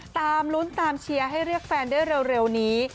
ตามลุ้นตามเชียร์ให้เรียกแฟนได้เร็วนี้